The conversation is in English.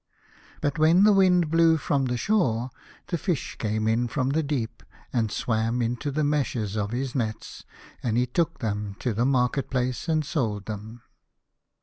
But when the wind blew to the shore, the fish came in 63 A House of Pomegranates. from the deep, and swam into the meshes of his nets, and he took them to the market place and sold them.